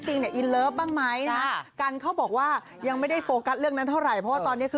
นี่ทานพันดาวระเนติ้งกำลังดีเลยว่าวันนี้